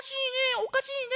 おかしいね。